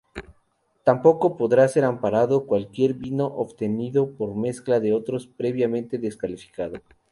Tampoco podrá ser amparado cualquier vino obtenido por mezcla con otro previamente descalificado.